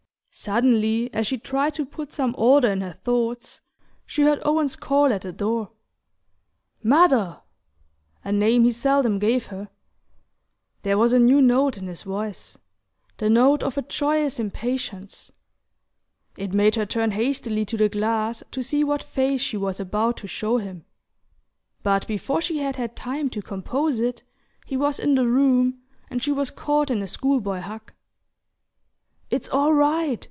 Suddenly, as she tried to put some order in her thoughts, she heard Owen's call at the door: "Mother! " a name he seldom gave her. There was a new note in his voice: the note of a joyous impatience. It made her turn hastily to the glass to see what face she was about to show him; but before she had had time to compose it he was in the room and she was caught in a school boy hug. "It's all right!